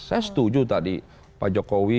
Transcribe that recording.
saya setuju tadi pak jokowi